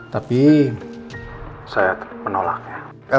tapi saya menolaknya